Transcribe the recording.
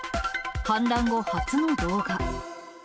反乱後、初の動画。